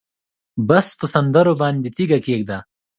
بس په سندرو باندې تیږه کېږده